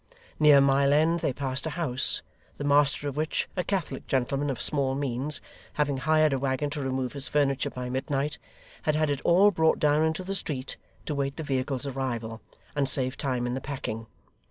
Near Mile End they passed a house, the master of which, a Catholic gentleman of small means, having hired a waggon to remove his furniture by midnight, had had it all brought down into the street, to wait the vehicle's arrival, and save time in the packing.